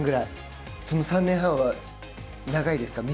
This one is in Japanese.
その３年半は長いですか。